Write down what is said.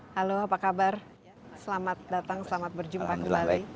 halo apa kabar selamat datang selamat berjumpa kembali